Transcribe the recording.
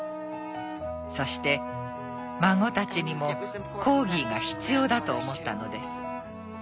そして孫たちにもコーギーが必要だと思ったのです。